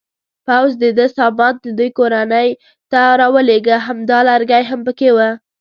پوځ د ده سامان د دوی کورنۍ ته راولېږه، همدا لرګی هم پکې و.